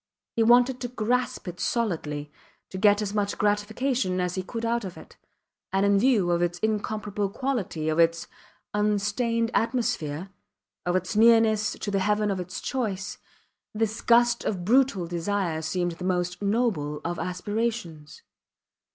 He wanted to grasp it solidly, to get as much gratification as he could out of it; and in view of its incomparable quality, of its unstained atmosphere, of its nearness to the heaven of its choice, this gust of brutal desire seemed the most noble of aspirations.